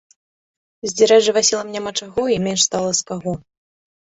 Здзіраць жывасілам няма чаго і менш стала з каго.